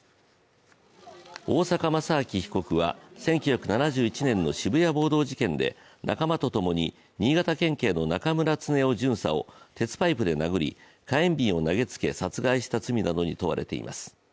大坂正明被告は１９７１年の渋谷暴動事件で仲間とともに、新潟県警の中村恒雄巡査を鉄パイプで殴り火炎瓶を投げつけ殺害した罪などに問われています。